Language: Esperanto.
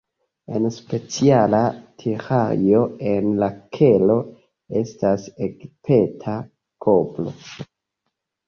En speciala terario en la kelo estas egipta kobro.